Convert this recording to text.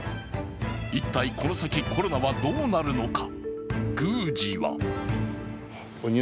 一体この先、コロナはどうなるのか